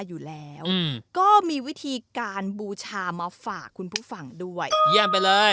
อยู่แล้วก็มีวิธีการบูชามาฝากคุณผู้ฟังด้วยเยี่ยมไปเลย